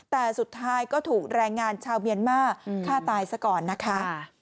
แต่สุดท้ายก็ถูกแรงงานชาวเมียนมาฆ่าตายซะก่อนนะคะ